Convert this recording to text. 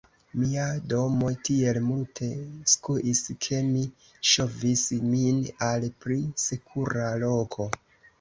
Mia domo tiel multe skuis, ke mi ŝovis min al pli sekura loko.